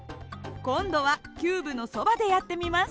今度はキューブのそばでやってみます。